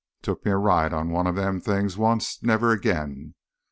Took me a ride on one of them things onct—never agin!